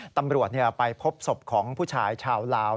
ตำรวจไปพบศพของผู้ชายชาวลาว